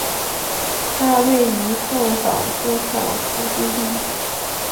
它位于盛港车厂附近地底。